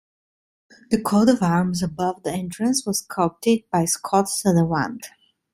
The coat of arms above the entrance was sculpted by Scott Sutherland.